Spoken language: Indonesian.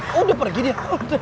oh udah pergi dia